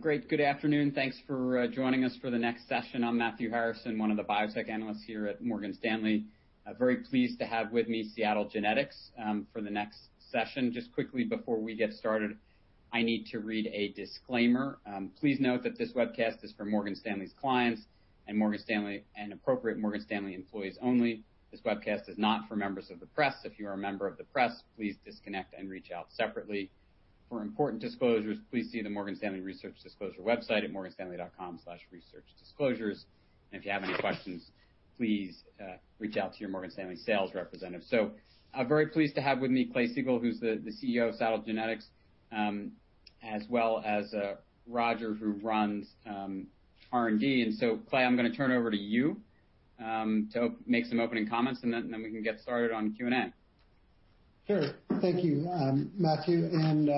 Great. Good afternoon. Thanks for joining us for the next session. I'm Matthew Harrison, one of the biotech analysts here at Morgan Stanley. I'm very pleased to have with me Seagen for the next session. Just quickly before we get started, I need to read a disclaimer. Please note that this webcast is for Morgan Stanley's clients and appropriate Morgan Stanley employees only. This webcast is not for members of the press. If you are a member of the press, please disconnect and reach out separately. For important disclosures, please see the Morgan Stanley Research Disclosure website at morganstanley.com/researchdisclosures. If you have any questions, please reach out to your Morgan Stanley sales representative. I'm very pleased to have with me Clay Siegall, who's the CEO of Seagen, as well as Roger, who runs R&D. Clay, I'm going to turn it over to you to make some opening comments, and then we can get started on Q&A. Sure. Thank you, Matthew, and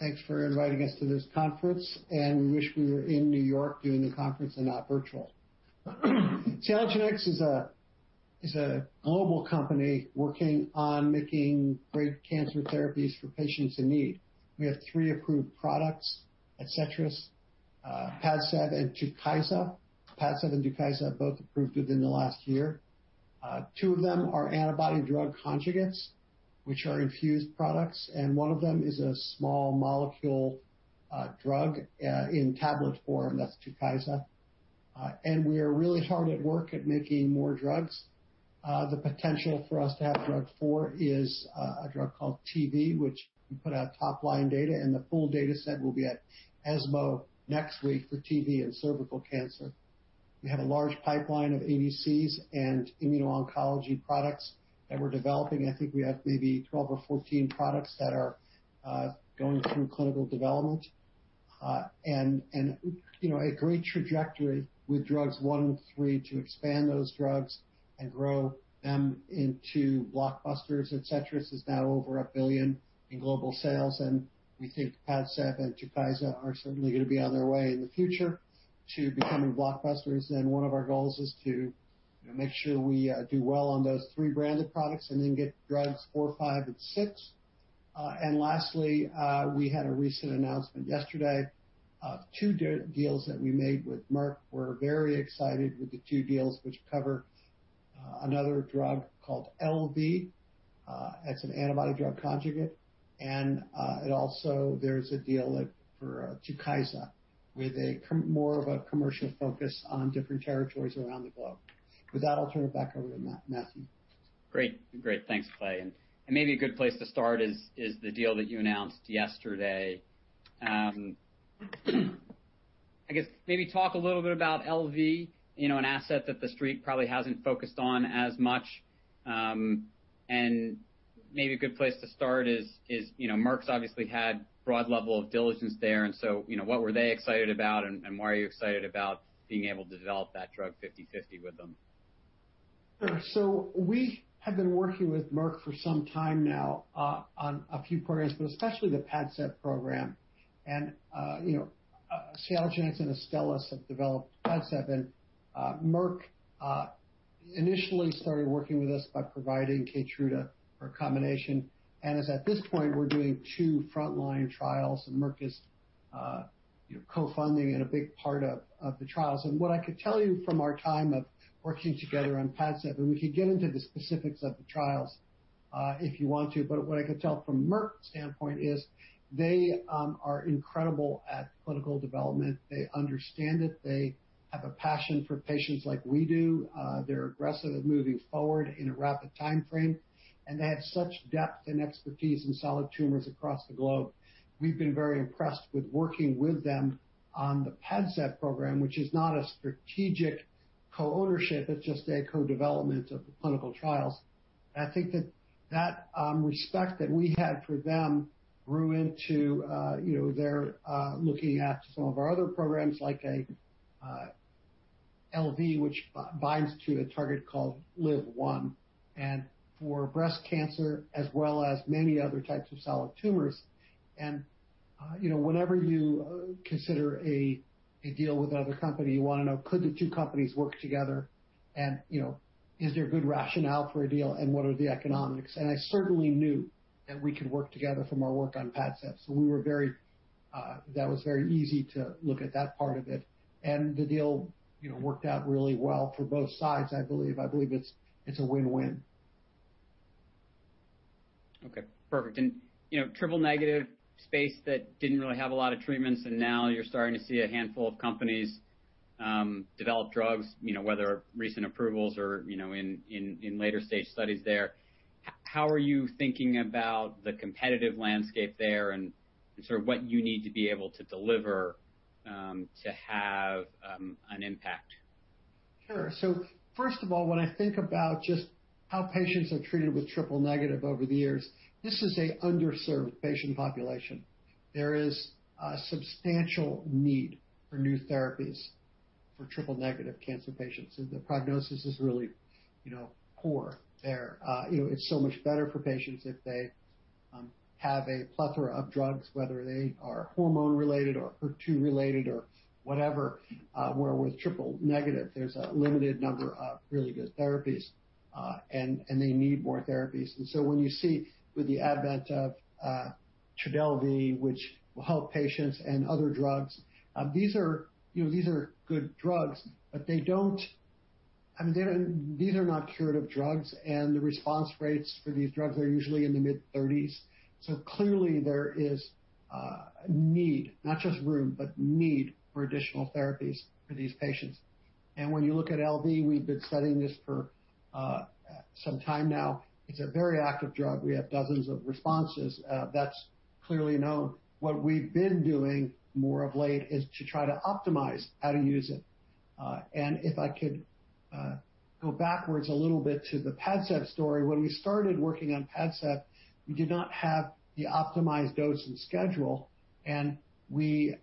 thanks for inviting us to this conference. We wish we were in New York doing the conference and not virtual. Seagen is a global company working on making great cancer therapies for patients in need. We have three approved products, ADCETRIS, PADCEV, and TUKYSA. PADCEV and TUKYSA both approved within the last year. Two of them are antibody-drug conjugates, which are infused products, and one of them is a small molecule drug in tablet form, that's TUKYSA. We are really hard at work at making more drugs. The potential for us to have drug four is a drug called TV, which we put out top-line data, and the full data set will be at ESMO next week for TV and cervical cancer. We have a large pipeline of ADCs and immuno-oncology products that we're developing. I think we have maybe 12 or 14 products that are going through clinical development. A great trajectory with drugs one through three to expand those drugs and grow them into blockbusters. ADCETRIS is now over $1 billion in global sales, and we think PADCEV and TUKYSA are certainly going to be on their way in the future to becoming blockbusters. One of our goals is to make sure we do well on those three branded products and then get drugs four, five, and six. Lastly, we had a recent announcement yesterday of two deals that we made with Merck. We're very excited with the two deals, which cover another drug called LV. That's an antibody-drug conjugate. Also, there's a deal for TUKYSA, with more of a commercial focus on different territories around the globe. With that, I'll turn it back over to Matthew. Great. Thanks, Clay. Maybe a good place to start is the deal that you announced yesterday. I guess maybe talk a little bit about LV, an asset that the Street probably hasn't focused on as much. Maybe a good place to start is, Merck's obviously had broad level of diligence there, and so, what were they excited about, and why are you excited about being able to develop that drug 50/50 with them? Sure. We have been working with Merck for some time now on a few programs, but especially the PADCEV program. Seagen and Astellas have developed PADCEV, and Merck initially started working with us by providing KEYTRUDA for a combination, and as at this point, we're doing two frontline trials, and Merck is co-funding and a big part of the trials. What I could tell you from our time of working together on PADCEV, and we can get into the specifics of the trials if you want to, but what I can tell from Merck's standpoint is they are incredible at clinical development. They understand it. They have a passion for patients like we do. They're aggressive at moving forward in a rapid timeframe, and they have such depth and expertise in solid tumors across the globe. We've been very impressed with working with them on the PADCEV program, which is not a strategic co-ownership, it's just a co-development of the clinical trials. I think that that respect that we had for them grew into their looking at some of our other programs like LV, which binds to a target called LIV-1, for breast cancer as well as many other types of solid tumors. Whenever you consider a deal with another company, you want to know, could the two companies work together? Is there good rationale for a deal, and what are the economics? I certainly knew that we could work together from our work on PADCEV. That was very easy to look at that part of it. The deal worked out really well for both sides, I believe. I believe it's a win-win. Okay, perfect. Triple-negative space that didn't really have a lot of treatments, now you're starting to see a handful of companies develop drugs, whether recent approvals or in later-stage studies there. How are you thinking about the competitive landscape there and sort of what you need to be able to deliver to have an impact? Sure. First of all, when I think about just how patients are treated with triple-negative over the years, this is a underserved patient population. There is a substantial need for new therapies for triple-negative cancer patients. The prognosis is really poor there. It's so much better for patients if they have a plethora of drugs, whether they are hormone-related or HER2 related or whatever, where with triple-negative, there's a limited number of really good therapies, and they need more therapies. When you see with the advent of TRODELVY, which will help patients, and other drugs, these are good drugs, These are not curative drugs, and the response rates for these drugs are usually in the mid-30s. Clearly, there is a need, not just room, but need for additional therapies for these patients. When you look at LV, we've been studying this for some time now. It's a very active drug. We have dozens of responses. That's clearly known. What we've been doing more of late is to try to optimize how to use it. If I could go backwards a little bit to the PADCEV story. When we started working on PADCEV, we did not have the optimized dose and schedule, and we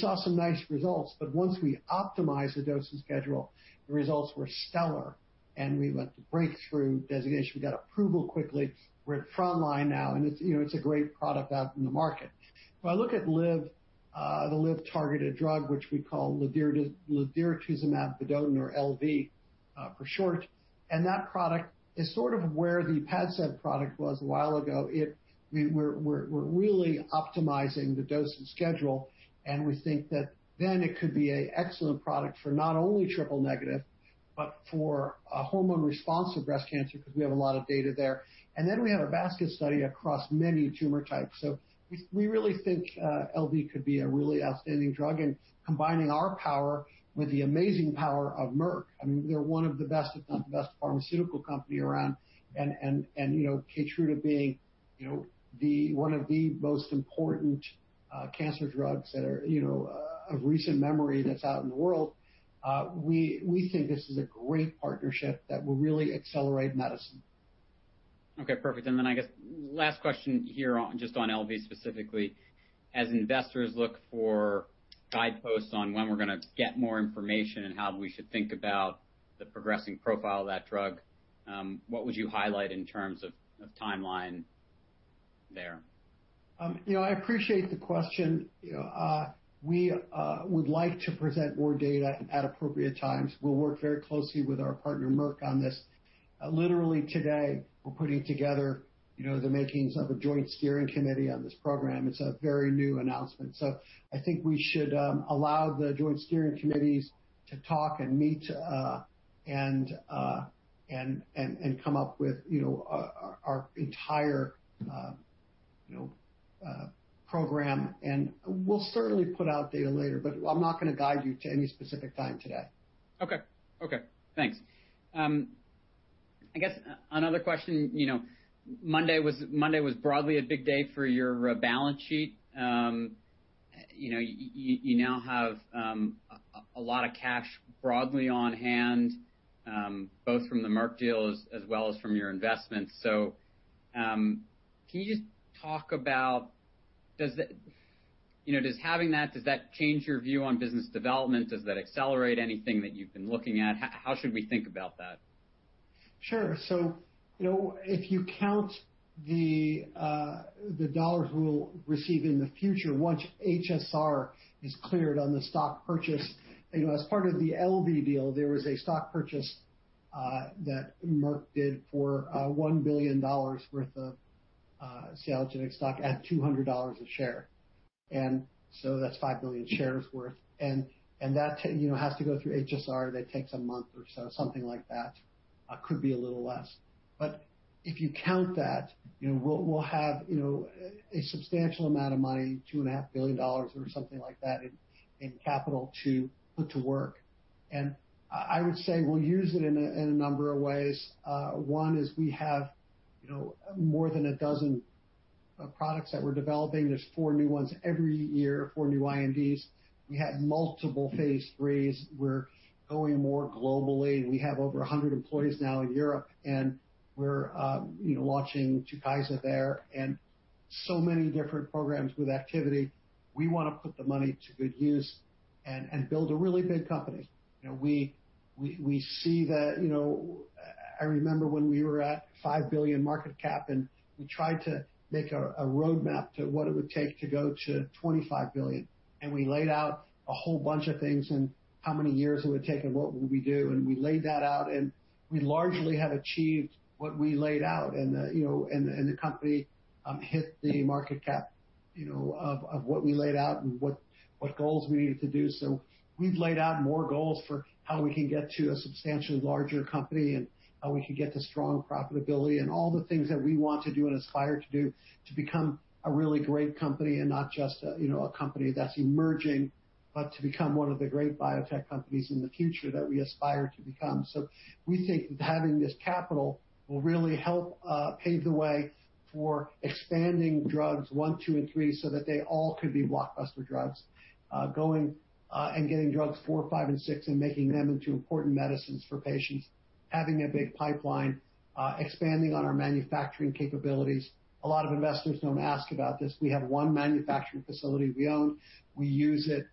saw some nice results. Once we optimized the dosing schedule, the results were stellar, and we went to breakthrough designation. We got approval quickly. We're at frontline now, and it's a great product out in the market. If I look at the LIV-targeted drug, which we call ladiratuzumab vedotin or LV for short, and that product is sort of where the PADCEV product was a while ago. We're really optimizing the dosing schedule, we think that then it could be an excellent product for not only triple-negative but for hormone-responsive breast cancer, because we have a lot of data there. Then we have a basket study across many tumor types. We really think LV could be a really outstanding drug. Combining our power with the amazing power of Merck, they're one of the best, if not the best pharmaceutical company around, and KEYTRUDA being one of the most important cancer drugs of recent memory that's out in the world. We think this is a great partnership that will really accelerate medicine. Okay, perfect. I guess last question here, just on LV specifically. As investors look for guideposts on when we're going to get more information and how we should think about the progressing profile of that drug, what would you highlight in terms of timeline there? I appreciate the question. We would like to present more data at appropriate times. We'll work very closely with our partner, Merck, on this. Literally today, we're putting together the makings of a joint steering committee on this program. It's a very new announcement. I think we should allow the joint steering committees to talk and meet, and come up with our entire program. We'll certainly put out data later. I'm not going to guide you to any specific time today. Okay. Thanks. I guess another question, Monday was broadly a big day for your balance sheet. You now have a lot of cash broadly on hand, both from the Merck deal as well as from your investments. Can you just talk about, does having that change your view on business development? Does that accelerate anything that you've been looking at? How should we think about that? Sure. If you count the dollar we'll receive in the future once HSR is cleared on the stock purchase. As part of the LV deal, there was a stock purchase that Merck did for $1 billion worth of Seagen stock at $200 a share. That's 5 million shares worth. That has to go through HSR. That takes a month or so, something like that. Could be a little less. If you count that, we'll have a substantial amount of money, $2.5 billion or something like that in capital to put to work. I would say we'll use it in a number of ways. One is we have more than a dozen products that we're developing. There's four new ones every year, four new INDs. We have multiple phase III's. We're going more globally. We have over 100 employees now in Europe. We're launching TUKYSA there and so many different programs with activity. We want to put the money to good use and build a really big company. I remember when we were at $5 billion market cap. We tried to make a roadmap to what it would take to go to $25 billion. We laid out a whole bunch of things and how many years it would take and what would we do. We laid that out, and we largely have achieved what we laid out. The company hit the market cap of what we laid out and what goals we needed to do. We've laid out more goals for how we can get to a substantially larger company and how we can get to strong profitability and all the things that we want to do and aspire to do to become a really great company and not just a company that's emerging, but to become one of the great biotech companies in the future that we aspire to become. We think that having this capital will really help pave the way for expanding drugs one, two and three so that they all could be blockbuster drugs. Going and getting drugs four, five, and six and making them into important medicines for patients. Having a big pipeline, expanding on our manufacturing capabilities. A lot of investors don't ask about this. We have one manufacturing facility we own. We use it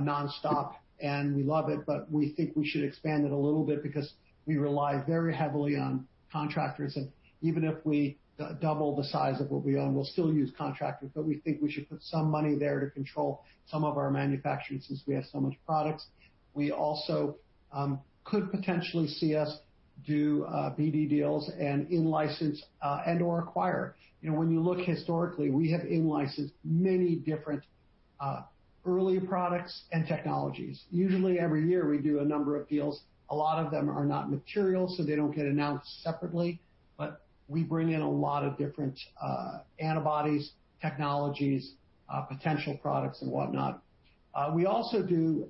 nonstop, and we love it, but we think we should expand it a little bit because we rely very heavily on contractors. Even if we double the size of what we own, we'll still use contractors, but we think we should put some money there to control some of our manufacturing since we have so much product. We also could potentially see us do BD deals and in-license, and or acquire. When you look historically, we have in-licensed many different early products and technologies. Usually, every year, we do a number of deals. A lot of them are not material, so they don't get announced separately. We bring in a lot of different antibodies, technologies, potential products, and whatnot. We also do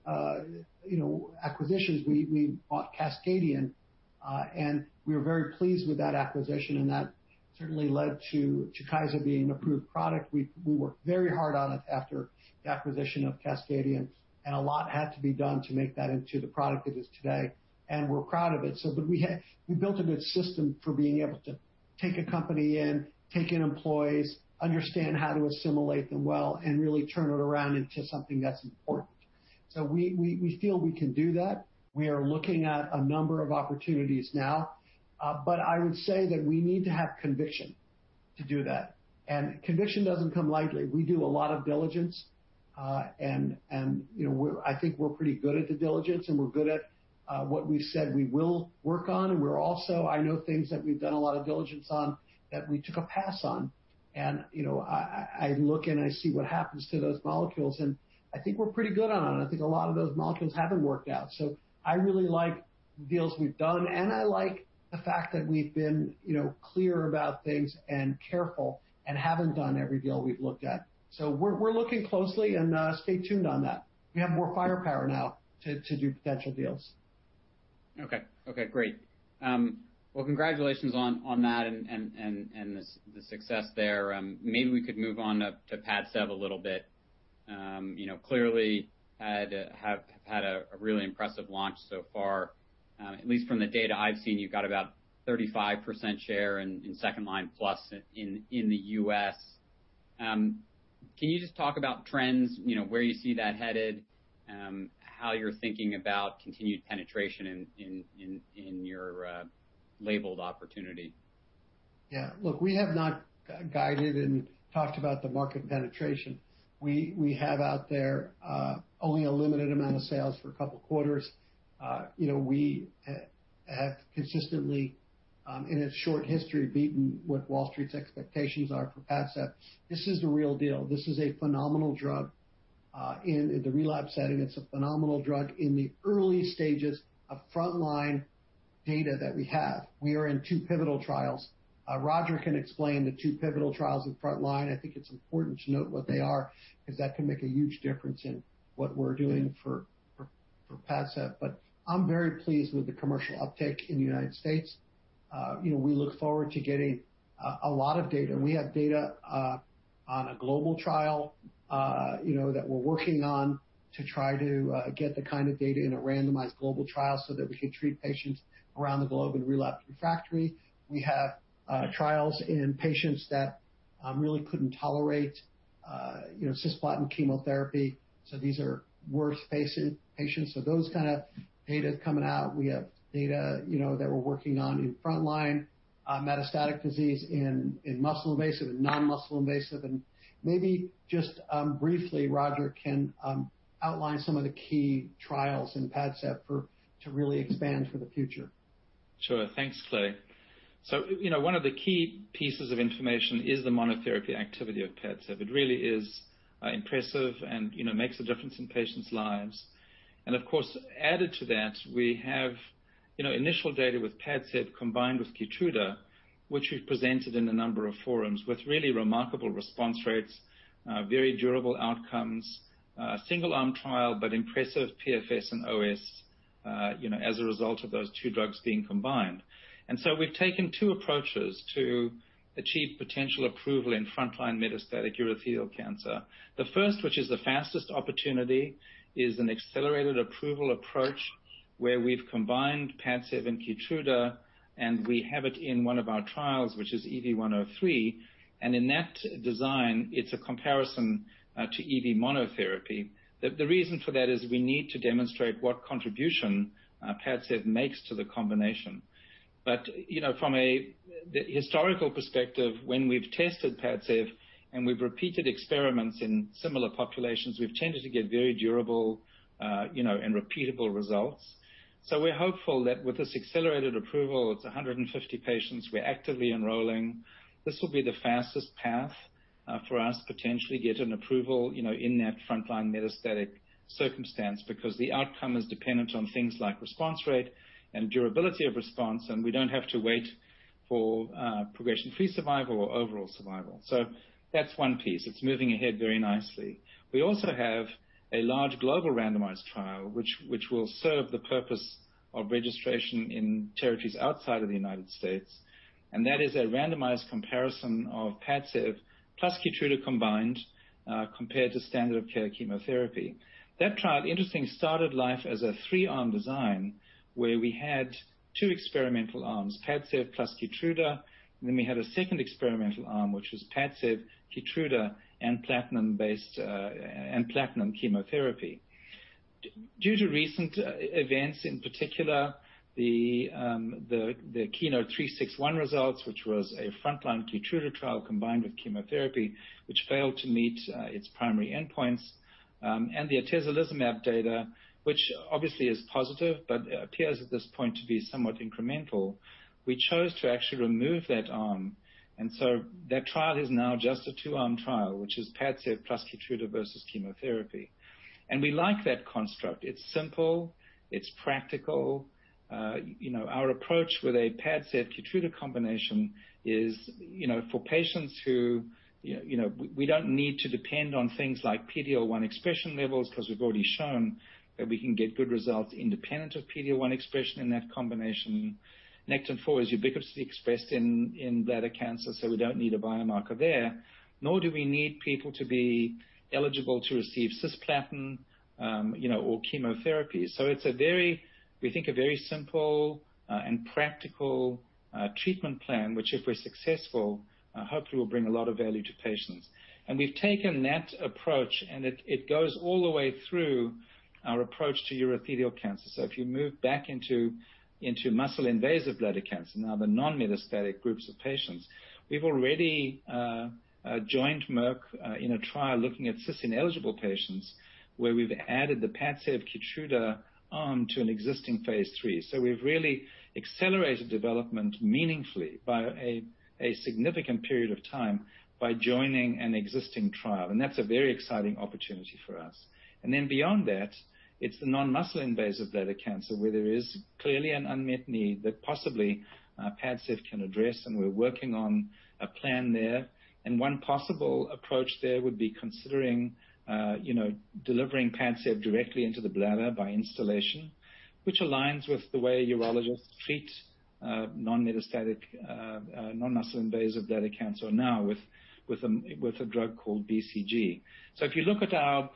acquisitions. We bought Cascadian, and we were very pleased with that acquisition, and that certainly led to KEYTRUDA being an approved product. We worked very hard on it after the acquisition of Cascadian, and a lot had to be done to make that into the product it is today, and we're proud of it. We built a good system for being able to take a company in, take in employees, understand how to assimilate them well, and really turn it around into something that's important. We feel we can do that. We are looking at a number of opportunities now. I would say that we need to have conviction to do that. Conviction doesn't come lightly. We do a lot of diligence. I think we're pretty good at the diligence. We're good at what we've said we will work on. I know things that we've done a lot of diligence on that we took a pass on, and I look and I see what happens to those molecules, and I think we're pretty good on it. I think a lot of those molecules haven't worked out. I really like the deals we've done, and I like the fact that we've been clear about things and careful and haven't done every deal we've looked at. We're looking closely and stay tuned on that. We have more firepower now to do potential deals. Okay. Great. Well, congratulations on that and the success there. Maybe we could move on to PADCEV a little bit. Clearly had a really impressive launch so far. At least from the data I've seen, you've got about 35% share in 2nd-line plus in the U.S. Can you just talk about trends, where you see that headed, how you're thinking about continued penetration in your labeled opportunity? Look, we have not guided and talked about the market penetration. We have out there only a limited amount of sales for a couple of quarters. We have consistently, in its short history, beaten what Wall Street's expectations are for PADCEV. This is the real deal. This is a phenomenal drug. In the relapse setting, it's a phenomenal drug in the early stages of frontline data that we have. We are in two pivotal trials. Roger can explain the two pivotal trials in frontline. I think it's important to note what they are, because that can make a huge difference in what we're doing for PADCEV. I'm very pleased with the commercial uptake in the United States. We look forward to getting a lot of data. We have data on a global trial that we're working on to try to get the kind of data in a randomized global trial so that we can treat patients around the globe in relapsed refractory. We have trials in patients that really couldn't tolerate cisplatin chemotherapy. These are worse patients. Those kind of data are coming out. We have data that we're working on in frontline metastatic disease in muscle-invasive and non-muscle invasive. Maybe just briefly, Roger can outline some of the key trials in PADCEV to really expand for the future. Sure. Thanks, Clay. One of the key pieces of information is the monotherapy activity of PADCEV. It really is impressive and makes a difference in patients' lives. Of course, added to that, we have initial data with PADCEV combined with KEYTRUDA, which we've presented in a number of forums with really remarkable response rates, very durable outcomes, single arm trial, but impressive PFS and OS, as a result of those two drugs being combined. We've taken two approaches to achieve potential approval in frontline metastatic urothelial cancer. The first, which is the fastest opportunity, is an accelerated approval approach where we've combined PADCEV and KEYTRUDA, and we have it in one of our trials, which is EV-103. In that design, it's a comparison to EV monotherapy. The reason for that is we need to demonstrate what contribution PADCEV makes to the combination. From a historical perspective, when we've tested PADCEV and we've repeated experiments in similar populations, we've tended to get very durable and repeatable results. We're hopeful that with this accelerated approval, it's 150 patients we're actively enrolling. This will be the fastest path for us to potentially get an approval in that frontline metastatic circumstance because the outcome is dependent on things like response rate and durability of response, and we don't have to wait for progression-free survival or overall survival. That's one piece. It's moving ahead very nicely. We also have a large global randomized trial, which will serve the purpose of registration in territories outside of the United States, and that is a randomized comparison of PADCEV plus KEYTRUDA combined, compared to standard of care chemotherapy. That trial, interestingly, started life as a three-arm design where we had two experimental arms, PADCEV plus KEYTRUDA, and then we had a second experimental arm, which was PADCEV, KEYTRUDA, and platinum chemotherapy. Due to recent events, in particular, the KEYNOTE-361 results, which was a frontline KEYTRUDA trial combined with chemotherapy, which failed to meet its primary endpoints, and the atezolizumab data, which obviously is positive but appears at this point to be somewhat incremental, we chose to actually remove that arm. So that trial is now just a two-arm trial, which is PADCEV plus KEYTRUDA versus chemotherapy. We like that construct. It's simple. It's practical. Our approach with a PADCEV KEYTRUDA combination is for patients who we don't need to depend on things like PD-L1 expression levels because we've already shown that we can get good results independent of PD-L1 expression in that combination. Nectin-4 is ubiquitously expressed in bladder cancer, so we don't need a biomarker there, nor do we need people to be eligible to receive cisplatin or chemotherapy. It's, we think, a very simple and practical treatment plan, which, if we're successful, hopefully will bring a lot of value to patients. We've taken that approach, and it goes all the way through our approach to urothelial cancer. If you move back into muscle-invasive bladder cancer, now the non-metastatic groups of patients, we've already joined Merck in a trial looking at cis-ineligible patients, where we've added the PADCEV KEYTRUDA arm to an existing phase III. We've really accelerated development meaningfully by a significant period of time by joining an existing trial, and that's a very exciting opportunity for us. Beyond that, it's the non-muscle invasive bladder cancer, where there is clearly an unmet need that possibly PADCEV can address, and we're working on a plan there. One possible approach there would be considering delivering PADCEV directly into the bladder by instillation, which aligns with the way urologists treat non-metastatic, non-muscle invasive bladder cancer now with a drug called BCG. If you look at our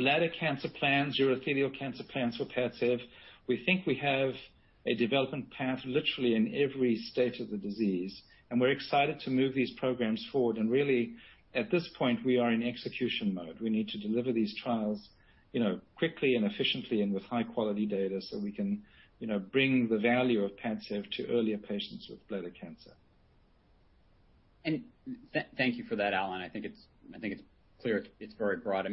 bladder cancer plans, urothelial cancer plans for PADCEV, we think we have a development path literally in every stage of the disease. We're excited to move these programs forward. Really, at this point, we are in execution mode. We need to deliver these trials quickly and efficiently and with high-quality data so we can bring the value of PADCEV to earlier patients with bladder cancer. Thank you for that, Roger. I think it's clear it's very broad.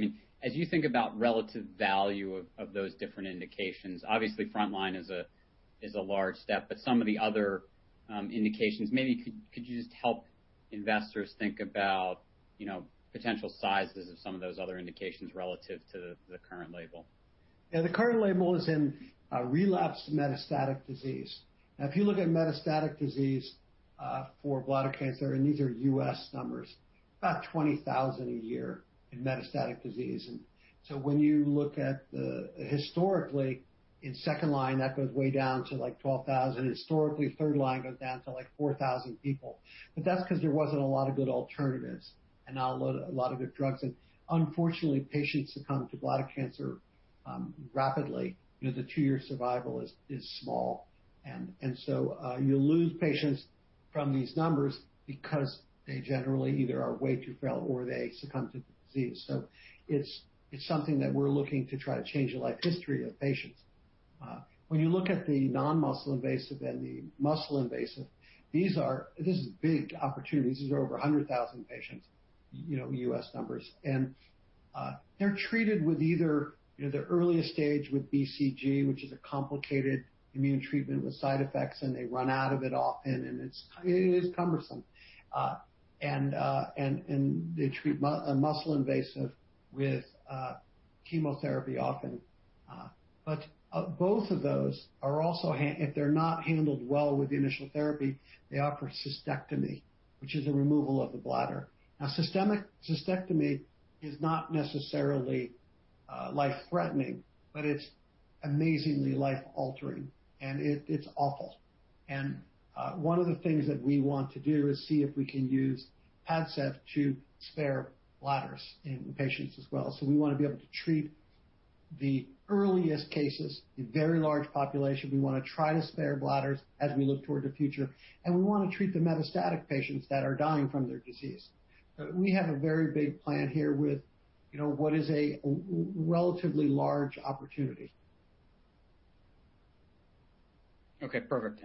As you think about relative value of those different indications, obviously frontline is a large step, but some of the other indications, maybe could you just help investors think about potential sizes of some of those other indications relative to the current label? The current label is in relapsed metastatic disease. If you look at metastatic disease for bladder cancer, and these are U.S. numbers, about 20,000 a year in metastatic disease. When you look at the historically in second line, that goes way down to like 12,000. Historically, third line goes down to like 4,000 people. That's because there wasn't a lot of good alternatives and a lot of good drugs. Unfortunately, patients succumb to bladder cancer rapidly. The two-year survival is small. You lose patients from these numbers because they generally either are way too frail or they succumb to the disease. It's something that we're looking to try to change the life history of patients. When you look at the non-muscle invasive and the muscle invasive, this is big opportunities. These are over 100,000 patients, U.S. numbers. They're treated with either the earliest stage with BCG, which is a complicated immune treatment with side effects, and they run out of it often, and it is cumbersome. They treat muscle invasive with chemotherapy often. Both of those are also, if they're not handled well with the initial therapy, they offer cystectomy, which is a removal of the bladder. Now, cystectomy is not necessarily life-threatening, but it's amazingly life-altering, and it's awful. One of the things that we want to do is see if we can use PADCEV to spare bladders in patients as well. We want to be able to treat the earliest cases, the very large population. We want to try to spare bladders as we look toward the future, and we want to treat the metastatic patients that are dying from their disease. We have a very big plan here with what is a relatively large opportunity. Okay, perfect.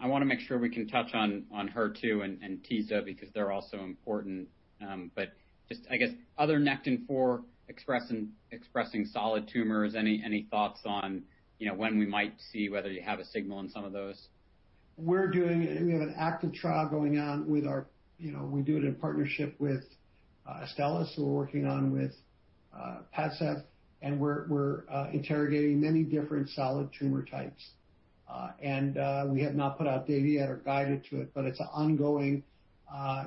I want to make sure we can touch on HER2 and tisotumab vedotin because they're also important. Just, I guess, other Nectin-4 expressing solid tumors, any thoughts on when we might see whether you have a signal on some of those? We have an active trial going on with our we do it in partnership with Astellas, who we're working on with PADCEV, and we're interrogating many different solid tumor types. We have not put out data yet or guided to it, but it's an ongoing,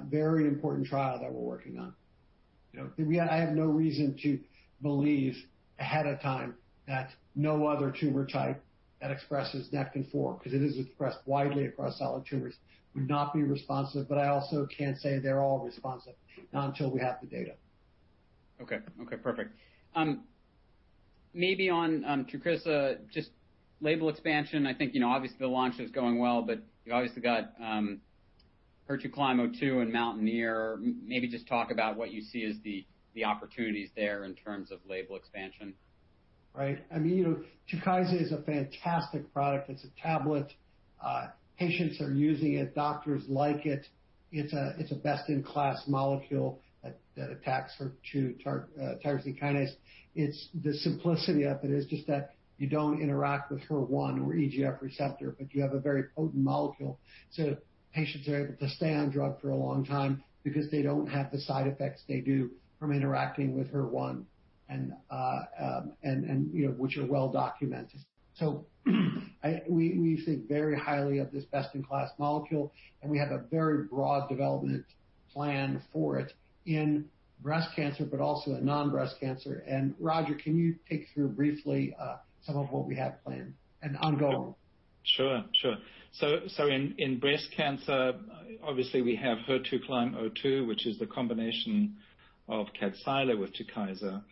very important trial that we're working on. I have no reason to believe ahead of time that no other tumor type that expresses Nectin-4, because it is expressed widely across solid tumors, would not be responsive. I also can't say they're all responsive, not until we have the data. Okay. Perfect. Maybe on TUKYSA, just label expansion. I think obviously the launch is going well, you obviously got HER2CLIMB-02 and MOUNTAINEER. Maybe just talk about what you see as the opportunities there in terms of label expansion. Right. TUKYSA is a fantastic product. It's a tablet. Patients are using it. Doctors like it. It's a best-in-class molecule that attacks HER2 tyrosine kinase. The simplicity of it is just that you don't interact with HER1 or EGF receptor, but you have a very potent molecule. Patients are able to stay on drug for a long time because they don't have the side effects they do from interacting with HER1, which are well documented. We think very highly of this best-in-class molecule, and we have a very broad development Plan for it in breast cancer, but also in non-breast cancer. Roger, can you take us through briefly some of what we have planned and ongoing? Sure. In breast cancer, obviously we have HER2CLIMB-02, which is the combination of KADCYLA with TUKYSA.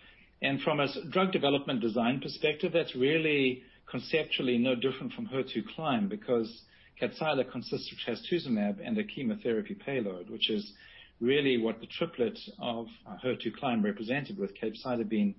From a drug development design perspective, that's really conceptually no different from HER2CLIMB, because KADCYLA consists of trastuzumab and a chemotherapy payload, which is really what the triplet of HER2CLIMB represented with capecitabine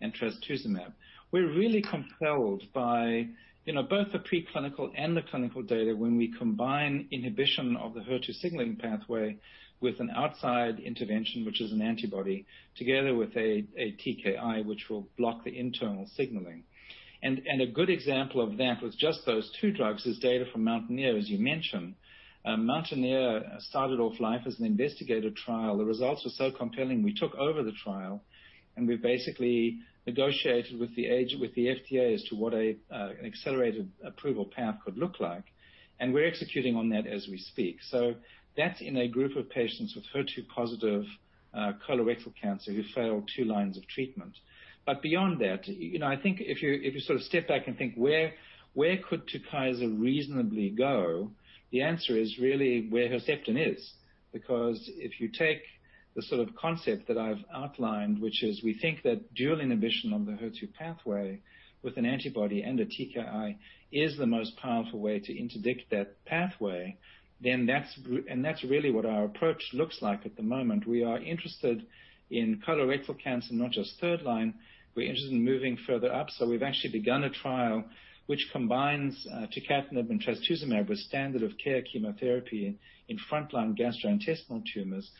and trastuzumab. We're really compelled by both the preclinical and the clinical data when we combine inhibition of the HER2 signaling pathway with an outside intervention, which is an antibody, together with a TKI, which will block the internal signaling. A good example of that with just those two drugs is data from MOUNTAINEER, as you mentioned. MOUNTAINEER started off life as an investigator trial. The results were so compelling, we took over the trial, and we basically negotiated with the FDA as to what an accelerated approval path could look like. We're executing on that as we speak. That's in a group of patients with HER2-positive colorectal cancer who failed two lines of treatment. Beyond that, I think if you sort of step back and think where could TUKYSA reasonably go, the answer is really where Herceptin is. Because if you take the sort of concept that I've outlined, which is we think that dual inhibition of the HER2 pathway with an antibody and a TKI is the most powerful way to interdict that pathway, and that's really what our approach looks like at the moment. We are interested in colorectal cancer, not just third line. We're interested in moving further up. We've actually begun a trial which combines tucatinib and trastuzumab with standard of care chemotherapy in frontline gastrointestinal tumors.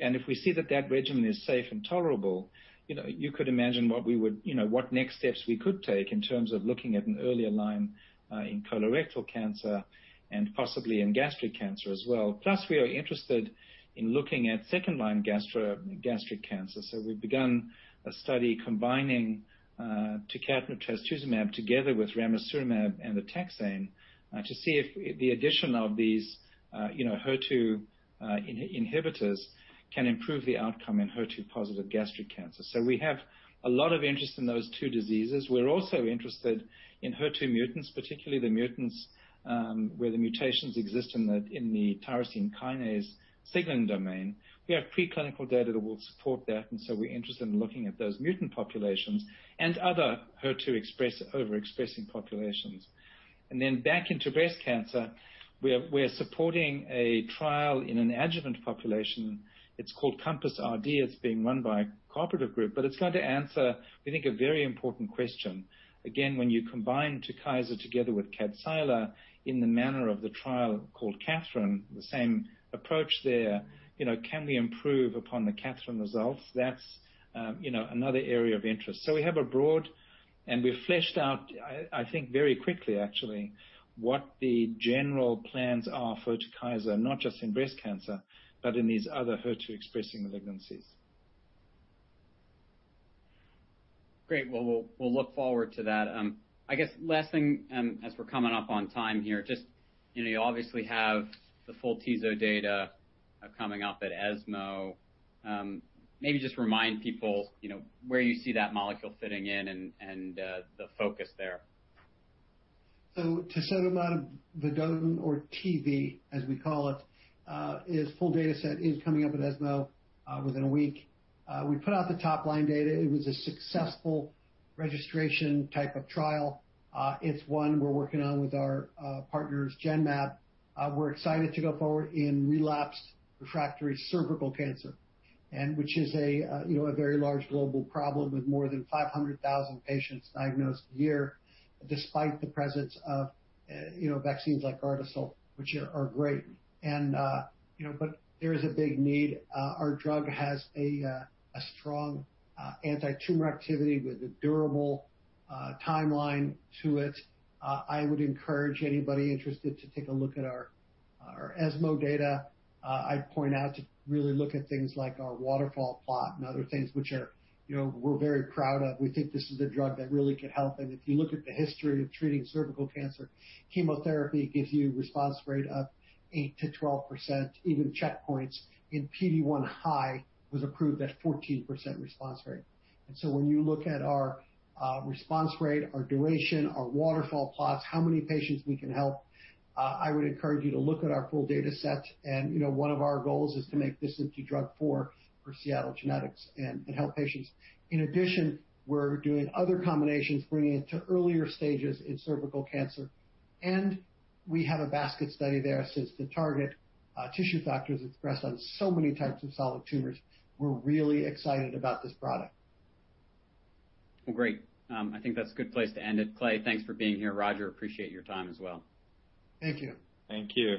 If we see that that regimen is safe and tolerable, you could imagine what next steps we could take in terms of looking at an earlier line in colorectal cancer and possibly in gastric cancer as well. We are interested in looking at second-line gastric cancer. We've begun a study combining tucatinib, trastuzumab together with ramucirumab and the taxane to see if the addition of these HER2 inhibitors can improve the outcome in HER2-positive gastric cancer. We have a lot of interest in those two diseases. We're also interested in HER2 mutants, particularly the mutants where the mutations exist in the tyrosine kinase signaling domain. We have preclinical data that will support that, we're interested in looking at those mutant populations and other HER2 overexpressing populations. Back into breast cancer, we're supporting a trial in an adjuvant population. It's called CompassHER2 RD. It's being run by a cooperative group, but it's going to answer, we think, a very important question. Again, when you combine TUKYSA together with KADCYLA in the manner of the trial called KATHERINE, the same approach there, can we improve upon the KATHERINE results? That's another area of interest. We have a broad, and we've fleshed out, I think, very quickly actually, what the general plans are for TUKYSA, not just in breast cancer but in these other HER2-expressing malignancies. Great. Well, we'll look forward to that. I guess last thing as we're coming up on time here, just you obviously have the full TIVDAK data coming up at ESMO. Maybe just remind people where you see that molecule fitting in and the focus there. Tisotumab vedotin, or TV, as we call it, its full data set is coming up at ESMO within a week. We put out the top-line data. It was a successful registration type of trial. It's one we're working on with our partners, Genmab. We're excited to go forward in relapsed refractory cervical cancer, and which is a very large global problem with more than 500,000 patients diagnosed a year, despite the presence of vaccines like Gardasil, which are great. There is a big need. Our drug has a strong antitumor activity with a durable timeline to it. I would encourage anybody interested to take a look at our ESMO data. I'd point out to really look at things like our waterfall plot and other things, which we're very proud of. We think this is a drug that really could help. If you look at the history of treating cervical cancer, chemotherapy gives you a response rate of 8%-12%. Even checkpoints in PD-1 high was approved at 14% response rate. When you look at our response rate, our duration, our waterfall plots, how many patients we can help, I would encourage you to look at our full data set. One of our goals is to make this a key drug for Seagen and help patients. In addition, we're doing other combinations, bringing it to earlier stages in cervical cancer. We have a basket study there since the target tissue factor is expressed on so many types of solid tumors. We're really excited about this product. Great. I think that's a good place to end it. Clay, thanks for being here. Roger, appreciate your time as well. Thank you. Thank you.